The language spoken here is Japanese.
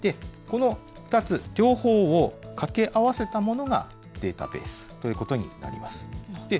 この２つ、両方を掛け合わせたものがデータベースということになります。